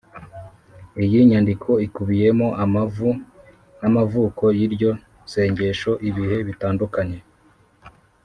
iyi nyandiko ikubiyemo amavu n’amavuko y’iryo sengesho, ibihe bitandukanye